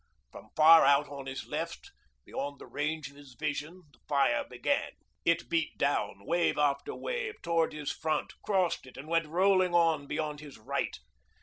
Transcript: From far out on his left, beyond the range of his vision, the fire began. It beat down, wave upon wave, towards his front, crossed it, and went rolling on beyond his right.